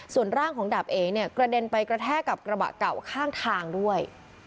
ส่วนร่างของดาบเอเนี่ยกระเด็นไปกระแทกกับกระบะเก่าข้างทางด้วย